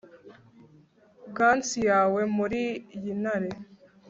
Gants yawe munsi yintare